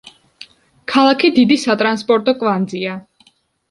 ქალაქი დიდი სატრანსპორტო კვანძია.